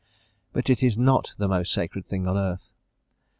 But it is not the most sacred thing on earth.